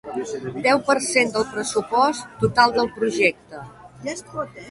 Deu per cent del pressupost total del projecte.